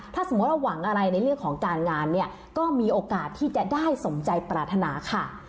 ถ้าสมมุติว่าหวังอะไรในเรื่องของการงานเนี่ยก็มีโอกาสที่จะได้สมใจปรารถนาค่ะ